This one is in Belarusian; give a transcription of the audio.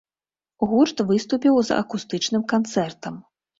Гурт выступіў з акустычным канцэртам.